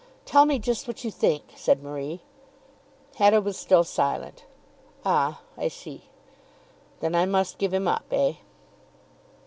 "Tell me just what you think," said Marie. Hetta was still silent. "Ah, I see. Then I must give him up? Eh?"